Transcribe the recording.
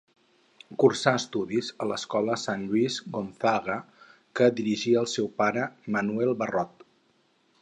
Cursà estudis a l'escola Sant Lluís Gonzaga que dirigia el seu pare, Manuel Barot.